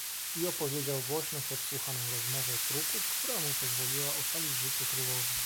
"I opowiedział głośno podsłuchaną rozmowę kruków, która mu pozwoliła ocalić życie królowi."